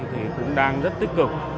thì cũng đang rất tích cực